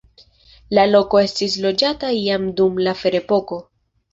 La loko estis loĝata jam dum la ferepoko.